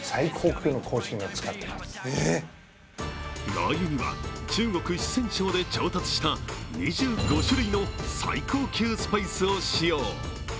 ラー油には中国・四川省で調達した２５種類の最高級スパイスを使用。